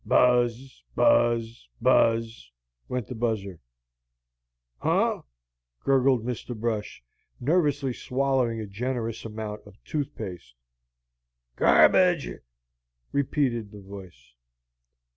Buzz, buzz, buzz, went the buzzer. "Huh?" gurgled Mr. Brush, nervously swallowing a generous amount of tooth paste. "Garbage!" repeated the voice.